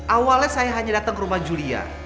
awalnya saya hanya datang ke rumah julia